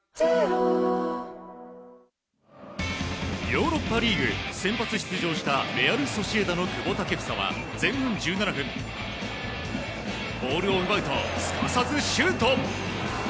ヨーロッパリーグ先発出場したレアル・ソシエダの久保建英は前半１７分ボールを奪うとすかさずシュート。